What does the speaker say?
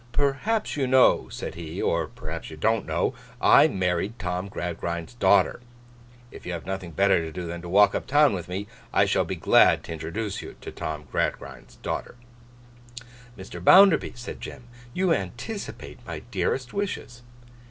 'Perhaps you know,' said he, 'or perhaps you don't know, I married Tom Gradgrind's daughter. If you have nothing better to do than to walk up town with me, I shall be glad to introduce you to Tom Gradgrind's daughter.' 'Mr. Bounderby,' said Jem, 'you anticipate my dearest wishes.